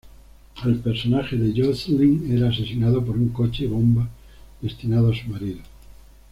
El personaje de Jocelyn era asesinado por un coche bomba destinado a su marido.